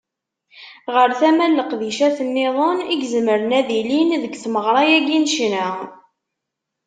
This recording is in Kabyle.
Ɣer tama n leqdicat-nniḍen i izemren ad ilin deg tmeɣra-agi n ccna.